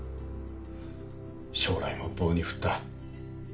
将来も棒に振った。